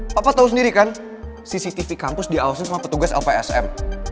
papa tahu sendiri kan cctv kampus diawasi sama petugas lpsm